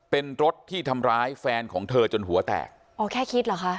เป็นรถที่ทำร้ายแฟนของเธอจนหัวแตก